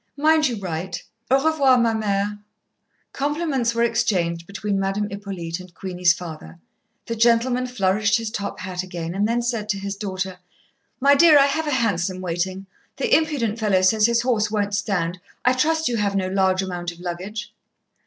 Mind you write. Au revoir, ma mère." Compliments were exchanged between Madame Hippolyte and Queenie's father, the gentleman flourished his top hat again, and then said to his daughter: "My dear, I have a hansom waiting; the impudent fellow says his horse won't stand. I trust you have no large amount of luggage."